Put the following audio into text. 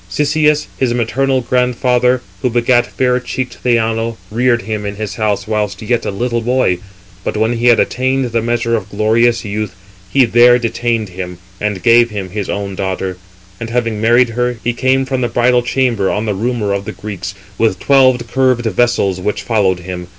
Cisseus, his maternal grandfather, who begat fair cheeked Theano, reared him in his house whilst yet a little boy: but when he had attained the measure of glorious youth, he there detained him, and gave him his own daughter. And having married her, he came from the bridal chamber, on the rumour of the Greeks, with twelve curved vessels which followed him.